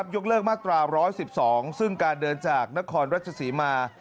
ยกเลิกมาตรา๑๑๒ซึ่งการเดินจากนครราชศรีมา